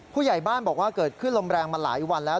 ผู้ใหญ่บ้านบอกว่าเกิดขึ้นลมแรงมาหลายวันแล้ว